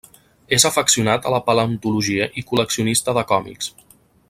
És afeccionat a la paleontologia i col·leccionista de còmics.